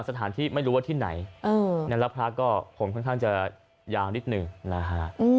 ไม่รู้ว่าที่ไหนแล้วพระก็ผมค่อนข้างจะยาวนิดหนึ่งนะฮะ